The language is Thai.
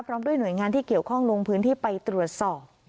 ด้วยหน่วยงานที่เกี่ยวข้องลงพื้นที่ไปตรวจสอบ